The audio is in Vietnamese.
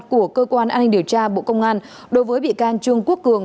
của cơ quan an ninh điều tra bộ công an đối với bị can trương quốc cường